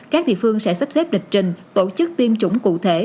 các địa phương sẽ sắp xếp lịch trình tổ chức tiêm chủng cụ thể